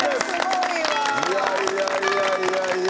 いやいやいやいや。